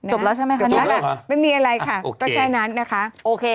แล้วใช่ไหมคะนั้นไม่มีอะไรค่ะก็แค่นั้นนะคะโอเค